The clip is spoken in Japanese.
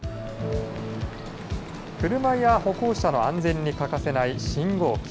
車や歩行者の安全に欠かせない信号機。